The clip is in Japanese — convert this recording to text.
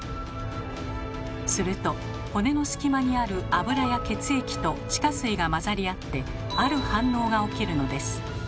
すると骨の隙間にある脂や血液と地下水が混ざり合ってある反応が起きるのです。